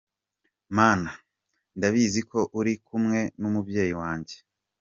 Mana, ndabizi ko uri kumwe n’umubyeyi wanjye.